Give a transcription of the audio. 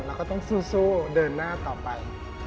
แล้วก็ต้องสู้เดินหน้าต่อไป